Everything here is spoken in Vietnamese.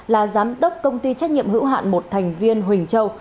là giám đốc công ty trách nhiệm hữu hạn một thành viên huỳnh châu